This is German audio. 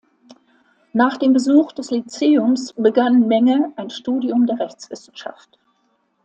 Nach dem Besuch des Lyzeums begann Menge ein Studium der Rechtswissenschaft.